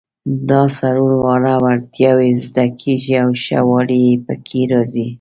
دا څلور واړه وړتیاوې زده کیږي او ښه والی پکې راځي.